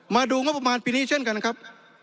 มาดูงบประมาณปีนี้เช่นกันครับ